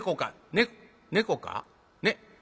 ね猫か？ね。